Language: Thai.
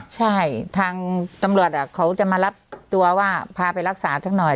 ใช่ทางตำรวจเขาจะมารับตัวว่าพาไปรักษาสักหน่อย